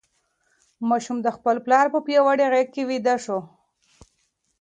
ماشوم د خپل پلار په پیاوړې غېږ کې ویده شو.